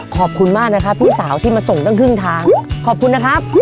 ขอบคุณมากนะครับพี่สาวที่มาส่งตั้งครึ่งทางขอบคุณนะครับ